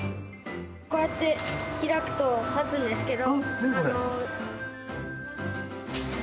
こうやって開くと立つんですけど。